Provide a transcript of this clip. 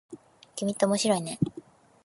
君って面白いね。